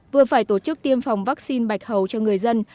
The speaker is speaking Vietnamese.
vừa phải tổ chức tiêm phòng vaccine bạch hầu cho người dân